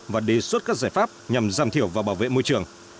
và đề xuất các giải pháp nhằm giảm thiểu và bảo vệ môi trường